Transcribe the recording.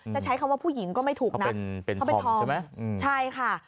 ใช้คำว่าผู้หญิงก็ไม่ถูกนะเขาเป็นทองใช่ไหมใช่ค่ะ